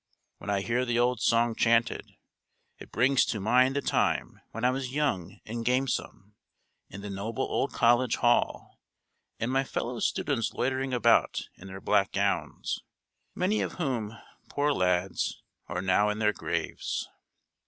When I hear the old song chanted, it brings to mind the time when I was young and gamesome and the noble old college hall and my fellow students loitering about in their black gowns; many of whom, poor lads, are now in their graves!"